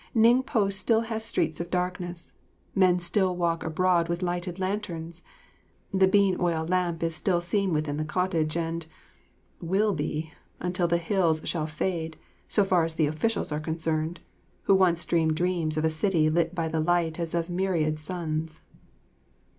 Ningpo still has streets of darkness, men still walk abroad with lighted lanterns, the bean oil lamp is seen within the cottage and will be until the hills shall fade, so far as the officials are concerned, who once dreamed dreams of a city lit by the light as of myriad suns.